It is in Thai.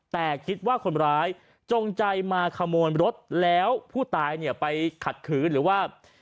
แต่คิดว่าคนร้ายจงใจมาขโมยรถแล้วผู้ตายเนี่ยไปขัดขืนหรือว่า